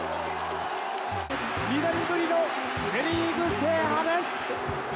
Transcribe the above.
２年ぶりのセ・リーグ制覇です！